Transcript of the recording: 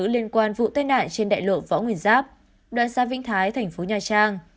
liên quan vụ tên nạn trên đại lộ võ nguyên giáp đoạn xa vĩnh thái thành phố nha trang